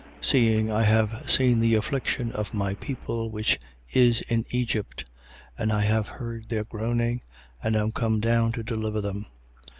7:34. Seeing, I have seen the affliction of my people which is in Egypt: and I have heard their groaning and am come down to deliver them.